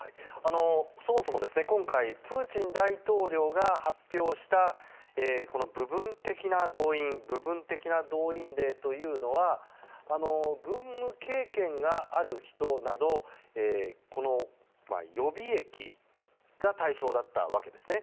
そもそも、今回プーチン大統領が発表した部分的な動員令というのは軍務経験がある人など予備役が対象だったわけです。